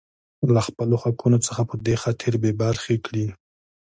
لـه خـپـلو حـقـونـو څـخـه پـه دې خاطـر بـې بـرخـې کـړي.